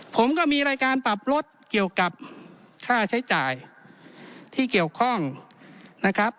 ผมก็มีรายการปรับลดเกี่ยวกับค่าใช้จ่ายที่เกี่ยวข้องนะครับ